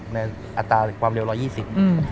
ในอัตราความเร็วรถ๑๒๐